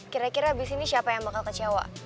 kira kira abis ini siapa yang bakal kecewa